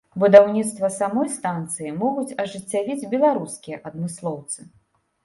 Будаўніцтва самой станцыі могуць ажыццявіць беларускія адмыслоўцы.